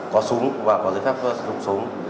có súng và có giấy phép sử dụng súng